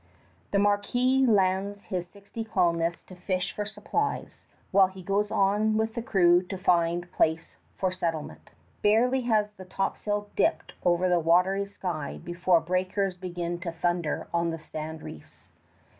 The marquis lands his sixty colonists to fish for supplies, while he goes on with the crew to find place for settlement. Barely has the topsail dipped over the watery sky before breakers begin to thunder on the sand reefs.